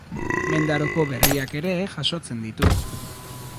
Mendaroko berriak ere jasotzen ditu.